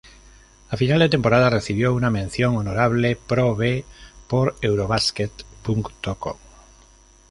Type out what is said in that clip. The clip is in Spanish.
A final de temporada, recibió una "mención honorable" Pro B por "Eurobasket.com".